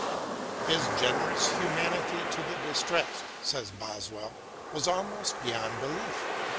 His generous humanity to the distressed, says Boswell, was almost beyond belief.